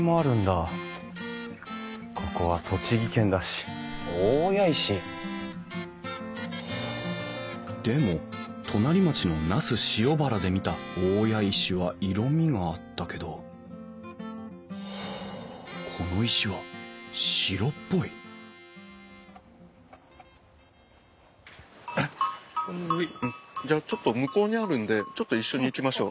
ここは栃木県だし大谷石？でも隣町の那須塩原で見た大谷石は色みがあったけどこの石は白っぽいじゃあちょっと向こうにあるんでちょっと一緒に行きましょう。